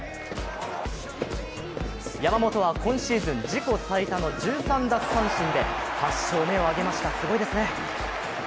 山本は今シーズン自己最多の１３奪三振で８勝目を挙げました、すごいですね。